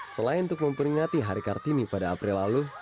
selain untuk memperingati hari kartini pada april lalu